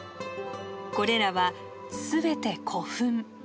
これらは全て古墳。